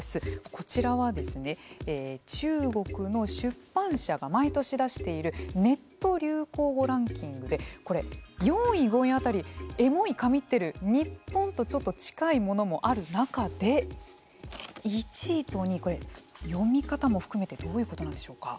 こちらは中国の出版社が毎年出しているネット流行語ランキングでこれ、４位、５位辺りエモい、神ってる日本とちょっと近いものもある中で１位と２位これ、読み方も含めてどういうことなんでしょうか。